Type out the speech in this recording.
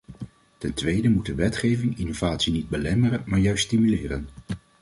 Ten tweede moet de wetgeving innovatie niet belemmeren maar juist stimuleren.